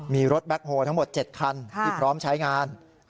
มีรถแบ็คโฮลทั้งหมด๗คันที่พร้อมใช้งาน